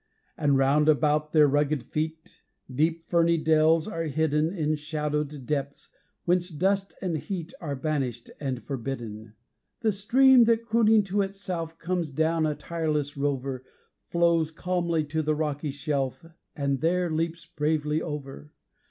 And round about their rugged feet Deep ferny dells are hidden In shadowed depths, whence dust and heat Are banished and forbidden. The stream that, crooning to itself, Comes down a tireless rover, Flows calmly to the rocky shelf, And there leaps bravely over.